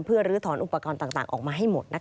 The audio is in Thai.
เพื่อลื้อถอนอุปกรณ์ต่างออกมาให้หมด